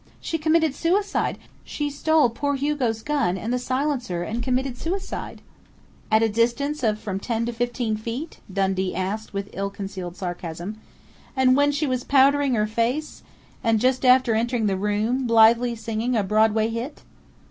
_ She committed suicide! She stole poor Hugo's gun and the silencer and committed suicide!" "At a distance of from ten to fifteen feet?" Dundee asked with ill concealed sarcasm. "And when she was powdering her face? And just after entering the room, blithely singing a Broadway hit?"